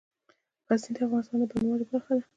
غزني د افغانستان د بڼوالۍ برخه ده.